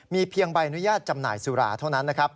มีเพียงใบอนุญาตจำหน่ายสุราเท่านั้นนะครับ